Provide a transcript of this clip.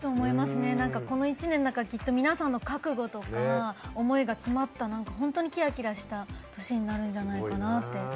この一年きっと皆さんの覚悟とか思いが詰まったキラキラした年になるんじゃないかなって。